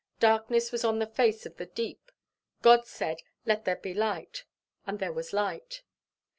Darkness was on the face of the deep: God said, 'Let there be light,' and there was light.